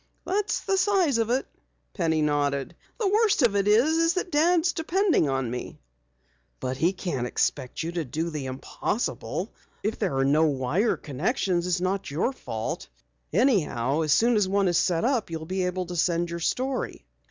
"That's the size of it," Penny nodded. "The worst of it is that Dad's depending upon me." "But he can't expect you to do the impossible. If there are no wire connections it's not your fault. Anyhow, as soon as one is set up you'll be able to send your story."